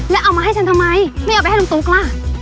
แล้วเอามาให้ฉันทำไมไม่เอาไปให้ลุงตุ๊กล่ะ